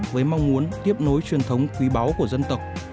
với mong muốn tiếp nối truyền thống quý báu của dân tộc